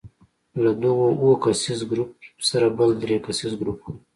له دغو اووه کسیز ګروپ سره بل درې کسیز ګروپ وو.